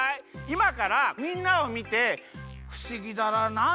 いまからみんなをみて「ふしぎだな？